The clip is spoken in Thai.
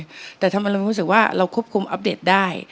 แต่ทำไมเรารู้สึกว่าเราควบคุมอัปเดตได้